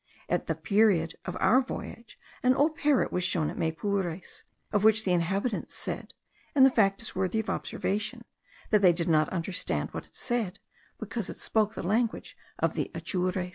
At the period of our voyage an old parrot was shown at Maypures, of which the inhabitants said, and the fact is worthy of observation, that they did not understand what it said, because it spoke the language of the Atures.